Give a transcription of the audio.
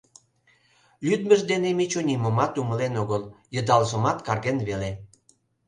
Лӱдмыж дене Мичу нимомат умылен огыл, йыдалжымат карген веле.